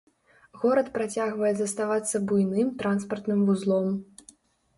Горад працягвае заставацца буйным транспартным вузлом.